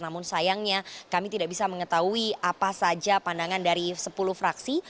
namun sayangnya kami tidak bisa mengetahui apa saja pandangan dari sepuluh fraksi